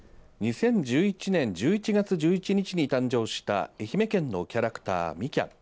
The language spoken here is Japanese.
２０１１年１１月１１日に誕生した愛媛県のキャラクターみきゃん。